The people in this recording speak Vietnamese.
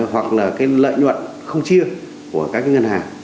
hoặc là cái lợi nhuận không chia của các cái ngân hàng